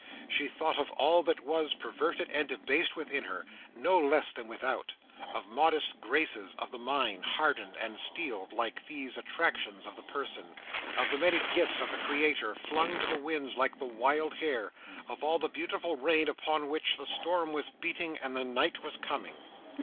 She thought of all that was perverted and debased within her, no less than without: of modest graces of the mind, hardened and steeled, like these attractions of the person; of the many gifts of the Creator flung to the winds like the wild hair; of all the beautiful ruin upon which the storm was beating and the night was coming.